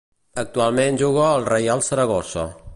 Actualment juga al Reial Saragossa.